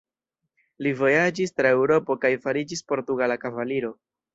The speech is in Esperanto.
Li vojaĝis tra Eŭropo kaj fariĝis portugala kavaliro.